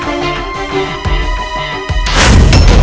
masuk ke dalam